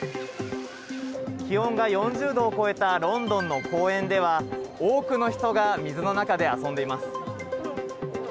気温が４０度を超えたロンドンの公園では、多くの人が水の中で遊んでいます。